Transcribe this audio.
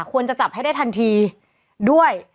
ควรจะจับให้ได้ทันทีด้วย